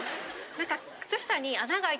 何か。